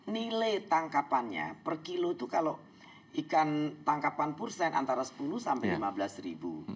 nilai tangkapannya per kilo itu kalau ikan tangkapan pursen antara sepuluh sampai lima belas ribu